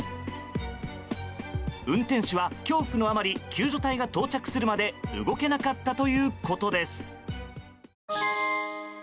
運転手は恐怖のあまり救助隊が到着するまで動けなかったということです。